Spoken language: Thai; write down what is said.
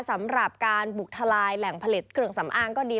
สำหรับการบุกทลายแหล่งผลิตเครื่องสำอางก็ดี